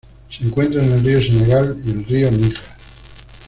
Se encuentra en el río Senegal y el río Níger.